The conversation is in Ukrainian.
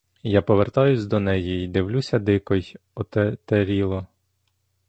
Я повертаюсь до неї й дивлюся дико й отетеріло.